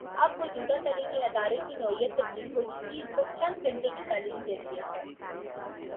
اب بوجوہ تعلیمی ادارے کی نوعیت تبدیل ہو چکی وہ چند گھنٹے کی تعلیم کے لیے ہے۔